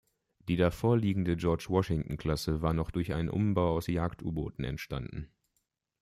Die davor liegende "George-Washington-Klasse" war noch durch einen Umbau aus Jagd-U-Booten entstanden.